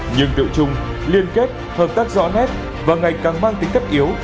nhưng đội chung liên kết hợp tác rõ nét và ngày càng mang tính cấp yếu